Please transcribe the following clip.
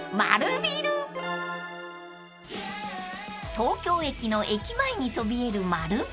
［東京駅の駅前にそびえる］